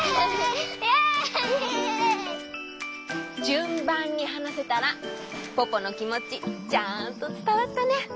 じゅんばんにはなせたらポポのきもちちゃんとつたわったね！